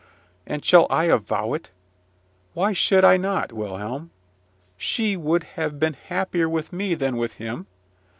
And shall I avow it? Why should I not, Wilhelm? She would have been happier with me than with him.